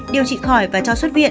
điều trị khỏi và cho xuất viện